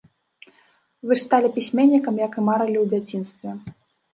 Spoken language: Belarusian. Вы ж сталі пісьменнікам, як і марылі ў дзяцінстве.